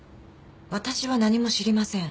私は何も知りません。